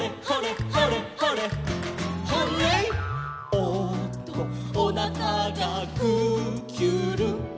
「おっとおなかがぐーきゅるん」